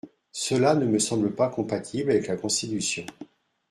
Cela ne me semble pas compatible avec la Constitution.